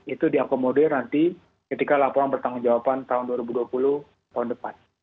itu diakomodir nanti ketika laporan pertanggung jawaban tahun dua ribu dua puluh tahun depan